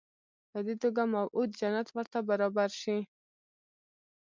په دې توګه موعود جنت ورته برابر شي.